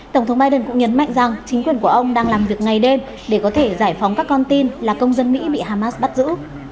tổng thống biden cũng nhấn mạnh rằng chính quyền của ông đang làm việc ngày đêm để có thể giải phóng các con tin là công dân mỹ bị hamas bắt giữ